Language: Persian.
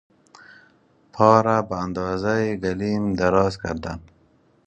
پا را به اندازهٔ گلیم دراز کردن